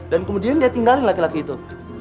dan kemudian dia tinggalin laki laki itu